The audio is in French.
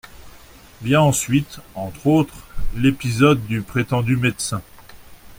Vient ensuite, entre autres, l'épisode du prétendu médecin.